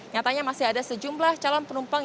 nyatanya masih ada sejumlah calon penumpang